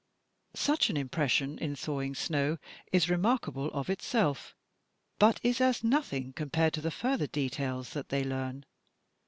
Such an impression in thawing snow is remarkable of itself, but is as nothing compared to the further details that they learn.